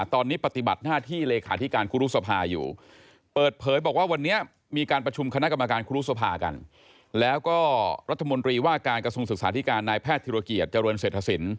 ตอนนี้ปฏิบัติหน้าที่เลขาธิการครูรุศภาอยู่